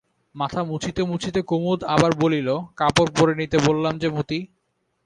মাথা মুছিতে মুছিতে কুমুদ আবার বলিল, কাপড় পরে নিতে বললাম যে মতি!